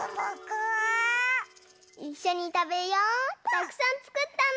たくさんつくったの！